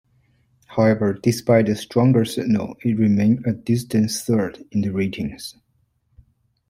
However, despite the stronger signal, it remained a distant third in the ratings.